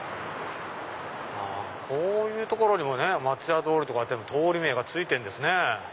こういう所にも松屋通りとかって通り名が付いてるんですね。